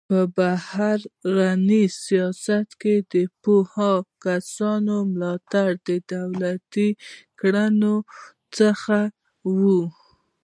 په بهرني سیاست کې د پوهو کسانو ملاتړ د دولت کړنو څخه و.